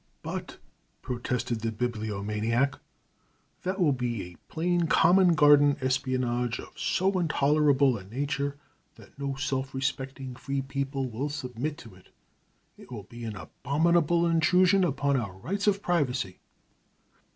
"But," protested the Bibliomaniac, "that will be a plain common garden espionage of so intolerable a nature that no self respecting free people will submit to it. It will be an abominable intrusion upon our rights of privacy."